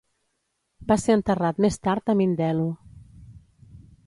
Va ser enterrat més tard a Mindelo.